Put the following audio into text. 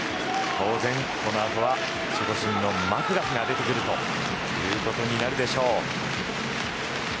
当然、このあとは守護神マクガフが出てくることになるでしょう。